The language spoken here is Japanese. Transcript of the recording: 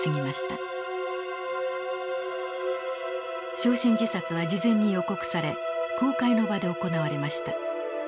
焼身自殺は事前に予告され公開の場で行われました。